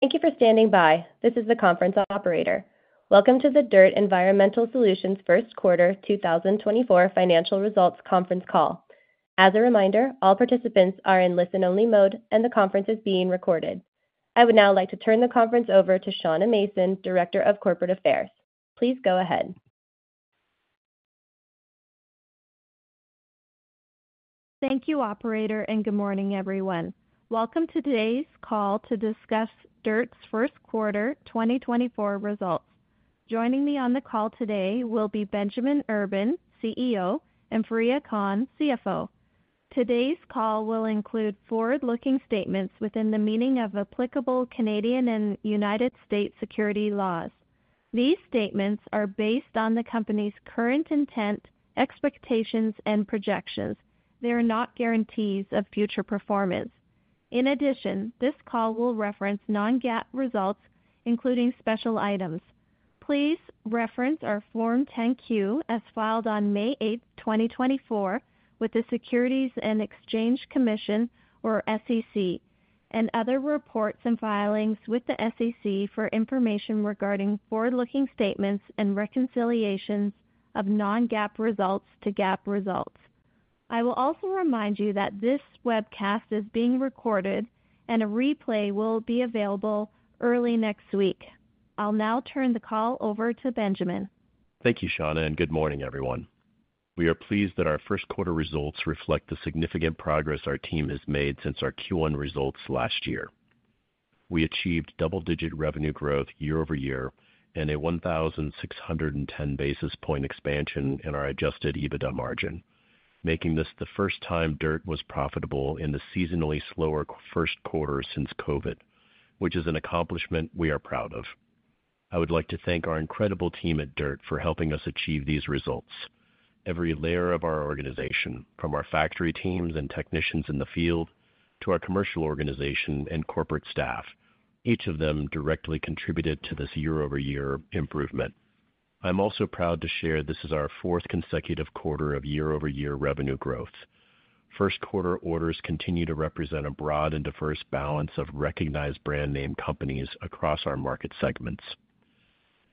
Thank you for standing by. This is the conference operator. Welcome to the DIRTT Environmental Solutions First Quarter 2024 Financial Results Conference Call. As a reminder, all participants are in listen-only mode and the conference is being recorded. I would now like to turn the conference over to Shauna Mason, Director of Corporate Affairs. Please go ahead. Thank you, operator, and good morning, everyone. Welcome to today's call to discuss DIRTT's First Quarter 2024 results. Joining me on the call today will be Benjamin Urban, CEO, and Fareeha Khan, CFO. Today's call will include forward-looking statements within the meaning of applicable Canadian and United States securities laws. These statements are based on the company's current intent, expectations, and projections. They are not guarantees of future performance. In addition, this call will reference non-GAAP results, including special items. Please reference our Form 10-Q as filed on May 8, 2024, with the Securities and Exchange Commission, or SEC, and other reports and filings with the SEC for information regarding forward-looking statements and reconciliations of non-GAAP results to GAAP results. I will also remind you that this webcast is being recorded and a replay will be available early next week. I'll now turn the call over to Benjamin. Thank you, Shauna, and good morning, everyone. We are pleased that our First Quarter results reflect the significant progress our team has made since our Q1 results last year. We achieved double-digit revenue growth year over year and a 1,610 basis point expansion in our adjusted EBITDA margin, making this the first time DIRTT was profitable in the seasonally slower First Quarter since COVID, which is an accomplishment we are proud of. I would like to thank our incredible team at DIRTT for helping us achieve these results. Every layer of our organization, from our factory teams and technicians in the field to our commercial organization and corporate staff, each of them directly contributed to this year-over-year improvement. I'm also proud to share this is our fourth consecutive quarter of year-over-year revenue growth. First Quarter orders continue to represent a broad and diverse balance of recognized brand name companies across our market segments.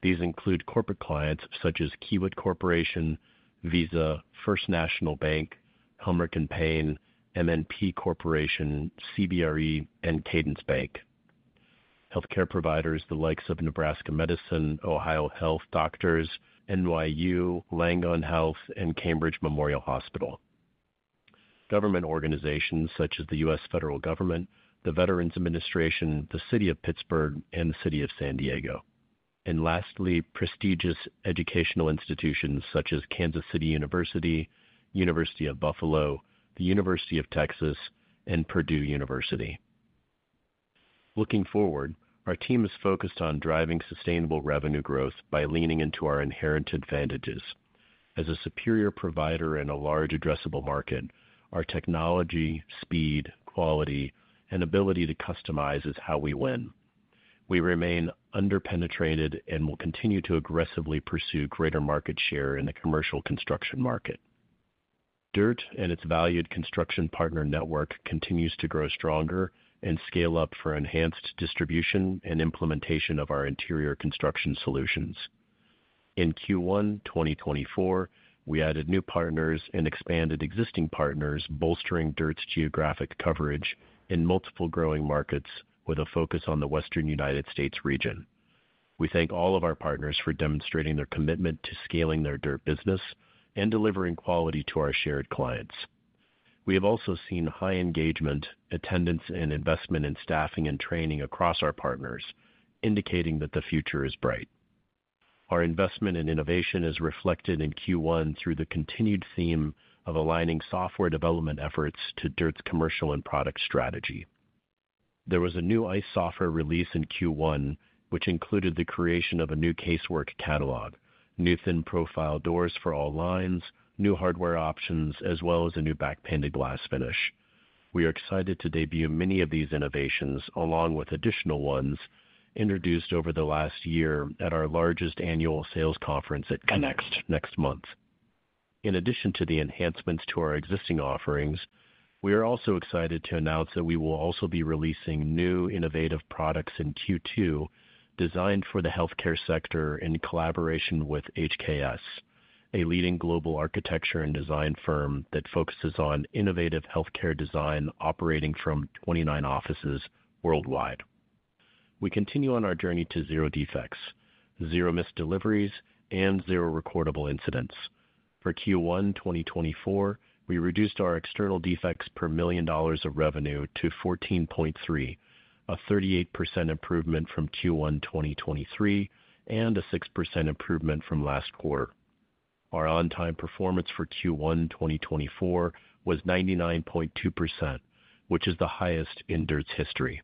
These include corporate clients such as Kiewit Corporation, Visa, First National Bank, Helmerich & Payne, MNP LLP, CBRE, and Cadence Bank. Healthcare providers the likes of Nebraska Medicine, OhioHealth Doctors Hospital, NYU Langone Health, and Cambridge Memorial Hospital. Government organizations such as the U.S. Federal Government, the U.S. Department of Veterans Affairs, the City of Pittsburgh, and the City of San Diego. And lastly, prestigious educational institutions such as Kansas City University, University at Buffalo, the University of Texas, and Purdue University. Looking forward, our team is focused on driving sustainable revenue growth by leaning into our inherent advantages. As a superior provider in a large addressable market, our technology, speed, quality, and ability to customize is how we win. We remain under-penetrated and will continue to aggressively pursue greater market share in the commercial construction market. DIRTT and its valued construction partner network continues to grow stronger and scale up for enhanced distribution and implementation of our interior construction solutions. In Q1 2024, we added new partners and expanded existing partners, bolstering DIRTT's geographic coverage in multiple growing markets with a focus on the Western United States region. We thank all of our partners for demonstrating their commitment to scaling their DIRTT business and delivering quality to our shared clients. We have also seen high engagement, attendance, and investment in staffing and training across our partners, indicating that the future is bright. Our investment in innovation is reflected in Q1 through the continued theme of aligning software development efforts to DIRTT's commercial and product strategy. There was a new ICE software release in Q1, which included the creation of a new casework catalog, new thin-profile doors for all lines, new hardware options, as well as a new back-painted glass finish. We are excited to debut many of these innovations, along with additional ones introduced over the last year at our largest annual sales conference at Connext next month. In addition to the enhancements to our existing offerings, we are also excited to announce that we will also be releasing new innovative products in Q2 designed for the healthcare sector in collaboration with HKS, a leading global architecture and design firm that focuses on innovative healthcare design operating from 29 offices worldwide. We continue on our journey to zero defects, zero missed deliveries, and zero recordable incidents. For Q1 2024, we reduced our external defects per million dollars of revenue to 14.3, a 38% improvement from Q1 2023 and a 6% improvement from last quarter. Our on-time performance for Q1 2024 was 99.2%, which is the highest in DIRTT's history.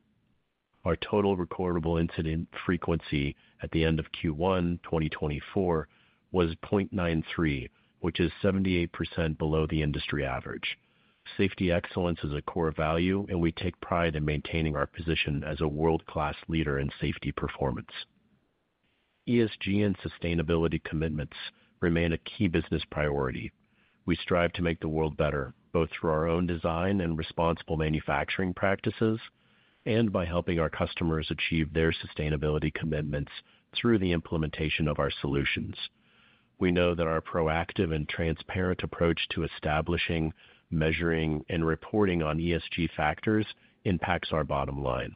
Our total recordable incident frequency at the end of Q1 2024 was 0.93, which is 78% below the industry average. Safety excellence is a core value, and we take pride in maintaining our position as a world-class leader in safety performance. ESG and sustainability commitments remain a key business priority. We strive to make the world better both through our own design and responsible manufacturing practices, and by helping our customers achieve their sustainability commitments through the implementation of our solutions. We know that our proactive and transparent approach to establishing, measuring, and reporting on ESG factors impacts our bottom line.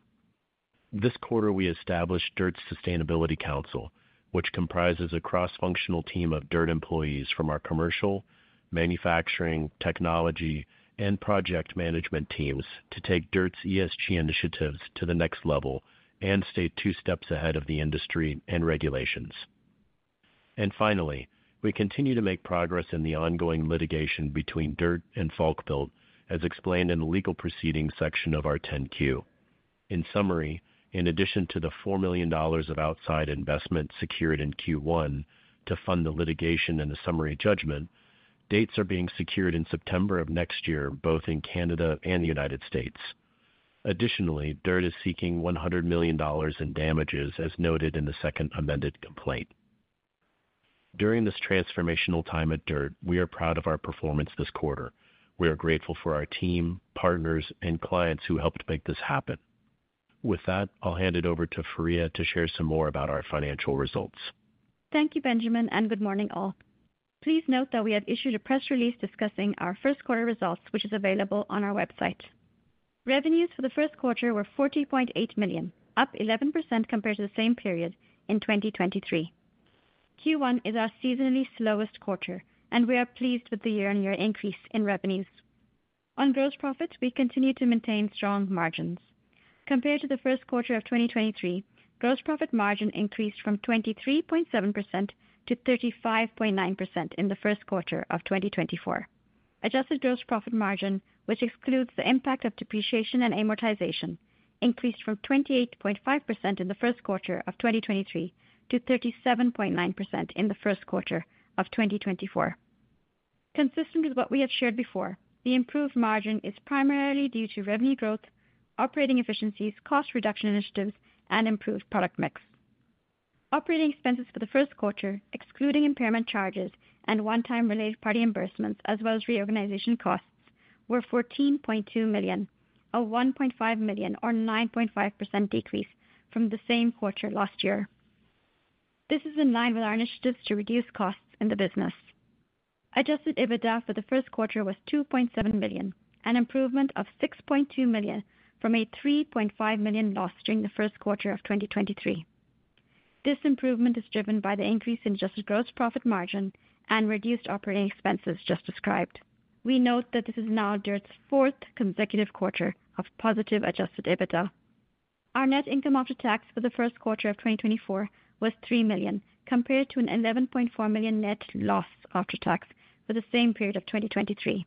This quarter we established DIRTT's Sustainability Council, which comprises a cross-functional team of DIRTT employees from our commercial, manufacturing, technology, and project management teams to take DIRTT's ESG initiatives to the next level and stay two steps ahead of the industry and regulations. Finally, we continue to make progress in the ongoing litigation between DIRTT and Falkbuilt, as explained in the legal proceedings section of our 10-Q. In summary, in addition to the $4 million of outside investment secured in Q1 to fund the litigation and the summary judgment, dates are being secured in September of next year both in Canada and the United States. Additionally, DIRTT is seeking $100 million in damages, as noted in the second amended complaint. During this transformational time at DIRTT, we are proud of our performance this quarter. We are grateful for our team, partners, and clients who helped make this happen. With that, I'll hand it over to Fareeha to share some more about our financial results. Thank you, Benjamin, and good morning, all. Please note that we have issued a press release discussing our First Quarter results, which is available on our website. Revenues for the First Quarter were $40.8 million, up 11% compared to the same period in 2023. Q1 is our seasonally slowest quarter, and we are pleased with the year-on-year increase in revenues. On gross profit, we continue to maintain strong margins. Compared to the First Quarter of 2023, gross profit margin increased from 23.7%-35.9% in the First Quarter of 2024. Adjusted gross profit margin, which excludes the impact of depreciation and amortization, increased from 28.5% in the First Quarter of 2023 to 37.9% in the First Quarter of 2024. Consistent with what we have shared before, the improved margin is primarily due to revenue growth, operating efficiencies, cost reduction initiatives, and improved product mix. Operating expenses for the First Quarter, excluding impairment charges and one-time related party reimbursements, as well as reorganization costs, were $14.2 million, a $1.5 million or 9.5% decrease from the same quarter last year. This is in line with our initiatives to reduce costs in the business. Adjusted EBITDA for the First Quarter was $2.7 million, an improvement of $6.2 million from a $3.5 million loss during the First Quarter of 2023. This improvement is driven by the increase in adjusted gross profit margin and reduced operating expenses just described. We note that this is now DIRTT's fourth consecutive quarter of positive adjusted EBITDA. Our net income after tax for the First Quarter of 2024 was $3 million, compared to an $11.4 million net loss after tax for the same period of 2023.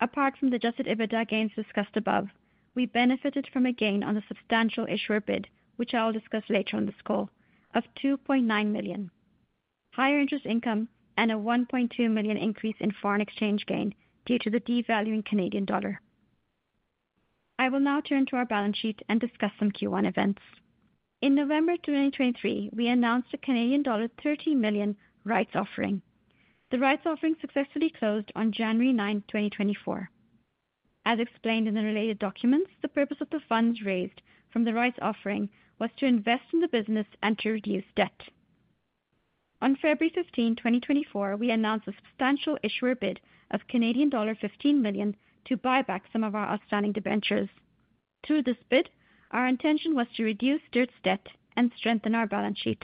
Apart from the Adjusted EBITDA gains discussed above, we benefited from a gain on the substantial issuer bid, which I will discuss later on this call, of $2.9 million, higher interest income, and a $1.2 million increase in foreign exchange gain due to the devaluing Canadian dollar. I will now turn to our balance sheet and discuss some Q1 events. In November 2023, we announced a Canadian dollar 30 million rights offering. The rights offering successfully closed on January 9, 2024. As explained in the related documents, the purpose of the funds raised from the rights offering was to invest in the business and to reduce debt. On February 15, 2024, we announced a substantial issuer bid of Canadian dollar 15 million to buy back some of our outstanding debentures. Through this bid, our intention was to reduce DIRTT's debt and strengthen our balance sheet.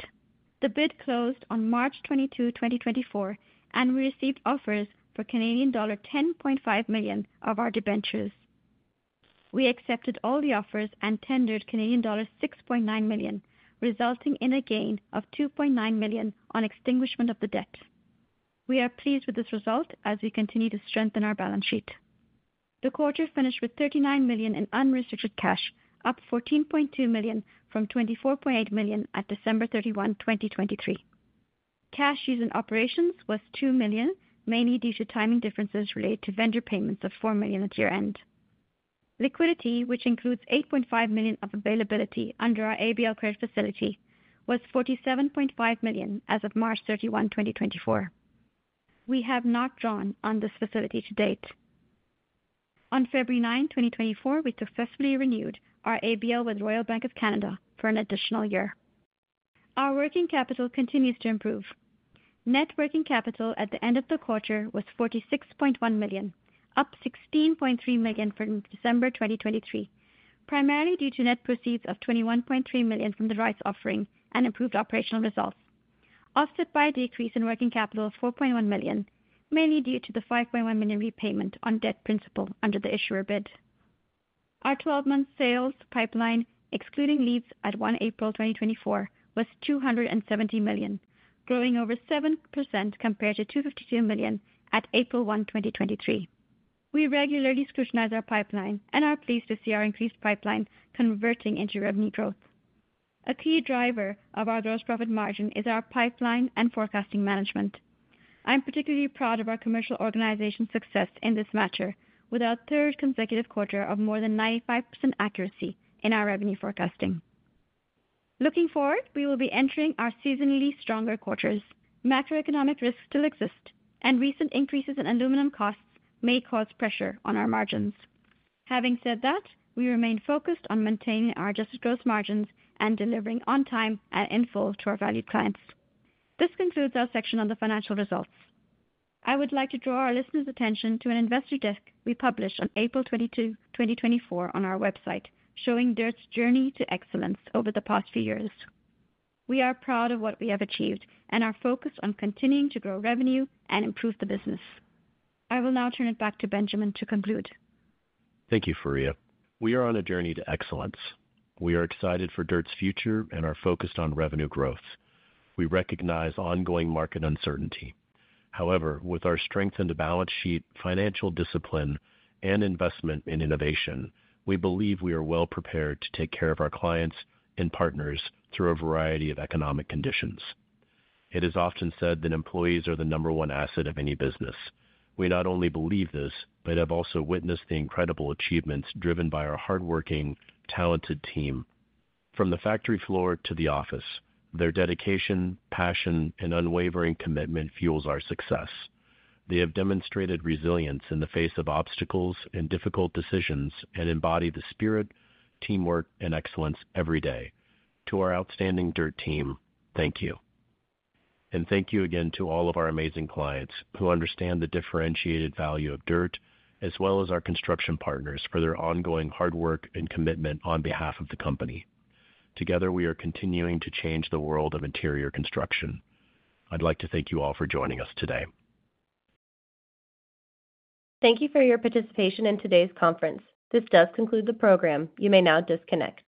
The bid closed on March 22, 2024, and we received offers for Canadian dollar 10.5 million of our debentures. We accepted all the offers and tendered Canadian dollar 6.9 million, resulting in a gain of 2.9 million on extinguishment of the debt. We are pleased with this result as we continue to strengthen our balance sheet. The quarter finished with 39 million in unrestricted cash, up 14.2 million from 24.8 million at December 31, 2023. Cash used in operations was 2 million, mainly due to timing differences related to vendor payments of 4 million at year-end. Liquidity, which includes 8.5 million of availability under our ABL credit facility, was 47.5 million as of March 31, 2024. We have not drawn on this facility to date. On February 9, 2024, we successfully renewed our ABL with Royal Bank of Canada for an additional year. Our working capital continues to improve. Net working capital at the end of the quarter was $46.1 million, up $16.3 million from December 2023, primarily due to net proceeds of $21.3 million from the rights offering and improved operational results, offset by a decrease in working capital of $4.1 million, mainly due to the $5.1 million repayment on debt principal under the issuer bid. Our 12-month sales pipeline, excluding leads at 1 April 2024, was $270 million, growing over 7% compared to $252 million at April 1, 2023. We regularly scrutinize our pipeline and are pleased to see our increased pipeline converting into revenue growth. A key driver of our gross profit margin is our pipeline and forecasting management. I'm particularly proud of our commercial organization's success in this matter with our third consecutive quarter of more than 95% accuracy in our revenue forecasting. Looking forward, we will be entering our seasonally stronger quarters. Macroeconomic risks still exist, and recent increases in aluminum costs may cause pressure on our margins. Having said that, we remain focused on maintaining our adjusted gross margins and delivering on time and in full to our valued clients. This concludes our section on the financial results. I would like to draw our listeners' attention to an investor deck we published on April 22, 2024, on our website, showing DIRTT's journey to excellence over the past few years. We are proud of what we have achieved and are focused on continuing to grow revenue and improve the business. I will now turn it back to Benjamin to conclude. Thank you, Fareeha. We are on a journey to excellence. We are excited for DIRTT's future and are focused on revenue growth. We recognize ongoing market uncertainty. However, with our strengthened balance sheet, financial discipline, and investment in innovation, we believe we are well prepared to take care of our clients and partners through a variety of economic conditions. It is often said that employees are the number one asset of any business. We not only believe this but have also witnessed the incredible achievements driven by our hardworking, talented team. From the factory floor to the office, their dedication, passion, and unwavering commitment fuels our success. They have demonstrated resilience in the face of obstacles and difficult decisions and embody the spirit, teamwork, and excellence every day. To our outstanding DIRTT team, thank you. Thank you again to all of our amazing clients who understand the differentiated value of DIRTT, as well as our construction partners, for their ongoing hard work and commitment on behalf of the company. Together, we are continuing to change the world of interior construction. I'd like to thank you all for joining us today. Thank you for your participation in today's conference. This does conclude the program. You may now disconnect.